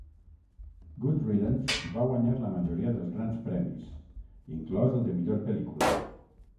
"Good Riddance" va guanyar la majoria dels grans premis, inclòs el de millor pel·lícula.